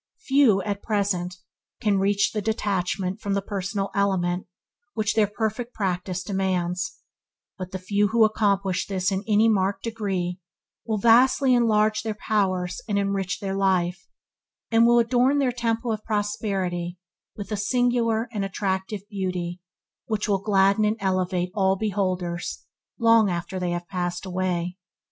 Few, at present, can reach that detachment from the personal element which their perfect practice demands, but the few who accomplish this in any marked degree will vastly enlarge their powers and enrich their life, and will adorn their Temple of Prosperity with a singular and attractive beauty which will gladden and elevate all beholders long after they have passed away.